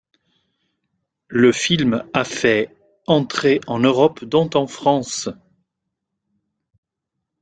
Le film a fait entrées en Europe dont en France.